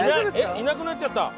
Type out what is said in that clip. えっいなくなっちゃった！